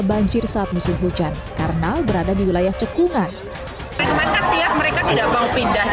banjir saat musim hujan karena berada di wilayah cekungan kantia mereka tidak mau pindah